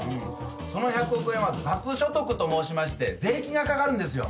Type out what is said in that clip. その１００億円は雑所得と申しまして税金がかかるんですよ。